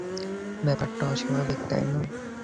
ব্যাপারটা অস্বাভাবিক, তাই না?